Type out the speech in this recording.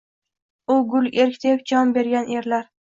U gul erk deb jon bergan erlar